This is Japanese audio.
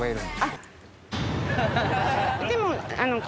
でも。